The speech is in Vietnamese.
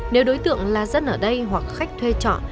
nếu đối tượng là dân ở đây hoặc khách thuê trọ